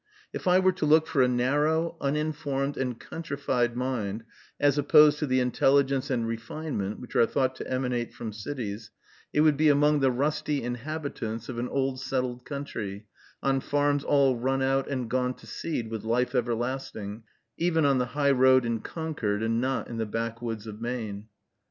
If I were to look for a narrow, uninformed, and countrified mind, as opposed to the intelligence and refinement which are thought to emanate from cities, it would be among the rusty inhabitants of an old settled country, on farms all run out and gone to seed with life everlasting, in the towns about Boston, even on the high road in Concord, and not in the back woods of Maine.